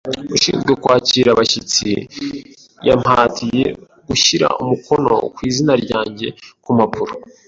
Ushinzwe kwakira abashyitsi yampatiye gushyira umukono ku izina ryanjye ku mpapuro.